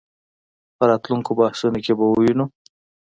په راتلونکو بحثونو کې به ووینو.